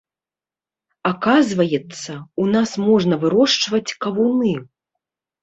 Аказваецца, у нас можна вырошчваць кавуны.